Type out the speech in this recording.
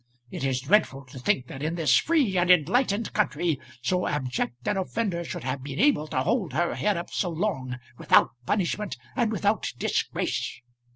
It is dreadful to think that in this free and enlightened country so abject an offender should have been able to hold her head up so long without punishment and without disgrace."